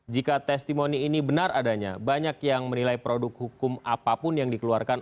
jika testimoni ini benar adanya banyak yang menilai produk hukum apapun yang dikeluarkan